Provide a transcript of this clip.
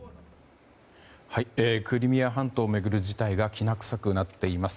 クリミア半島を巡る事態がきな臭くなっています。